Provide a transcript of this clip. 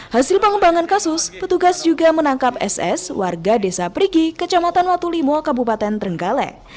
hasil pengembangan kasus petugas juga menangkap ss warga desa perigi kecamatan watulimo kabupaten trenggalek